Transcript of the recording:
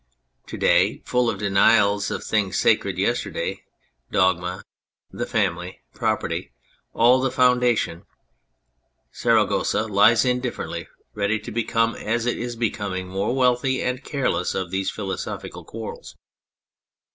To day full of denials of things sacred yester day, dogma, the family, property, all the foundations. Saragossa lies indifferent, ready to become (as it is becoming) more wealthy and careless of these philosophical quarrels.